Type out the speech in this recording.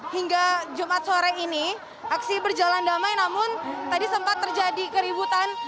hingga jumat sore ini aksi berjalan damai namun tadi sempat terjadi keributan